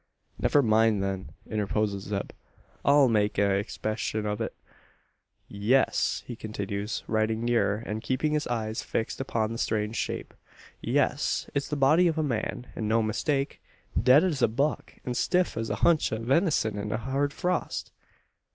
"Never mind then," interposes Zeb, "I'll make a inspecshun o' it. Ye es," he continues, riding nearer, and keeping his eyes fixed upon the strange shape. "Ye es, it's the body o' a man, an no mistake! Dead as a buck, an stiff as a hunch o' ven'son in a hard frost!"